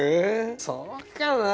そうかな？